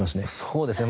そうですね。